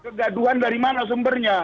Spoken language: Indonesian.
kegaduhan dari mana sumbernya